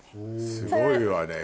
すごいわねこれ。